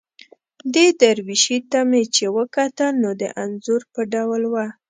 دې درویشي ته مې چې وکتل، نو د انځور په ډول وه.